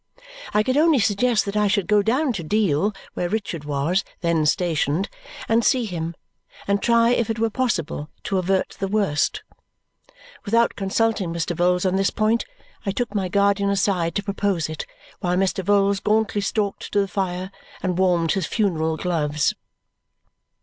I could only suggest that I should go down to Deal, where Richard was then stationed, and see him, and try if it were possible to avert the worst. Without consulting Mr. Vholes on this point, I took my guardian aside to propose it, while Mr. Vholes gauntly stalked to the fire and warmed his funeral gloves.